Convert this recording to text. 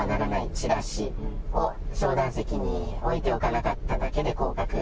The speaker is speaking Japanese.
チラシを商談席に置いておかなかっただけで降格。